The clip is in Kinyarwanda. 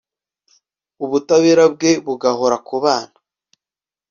ubutabera bwe bugahora ku bana